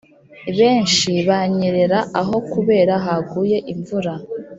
benshi banyerera aho kubera haguye imvura